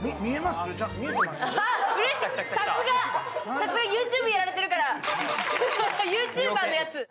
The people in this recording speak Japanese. さすが、ＹｏｕＴｕｂｅやられてるから、ＹｏｕＴｕｂｅｒのやつ。